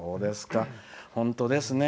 本当ですね。